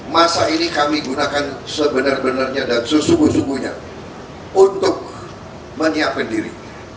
masa ini kami gunakan sebenar benarnya dan sesungguh sungguhnya untuk menyiapkan diri